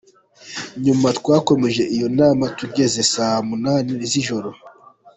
Nyuma twakomeje iyo nama tugeza saa munani z’ijoro.